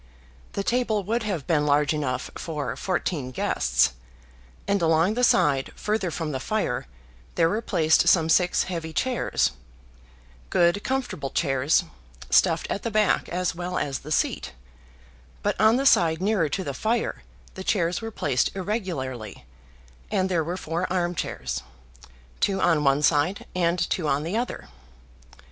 The table would have been large enough for fourteen guests, and along the side further from the fire, there were placed some six heavy chairs, good comfortable chairs, stuffed at the back as well as the seat, but on the side nearer to the fire the chairs were placed irregularly; and there were four armchairs, two on one side and two on the other.